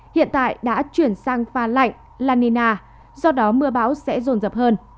hiện tại đã chuyển sang pha lạnh lanina do đó mưa bão sẽ rồn rập hơn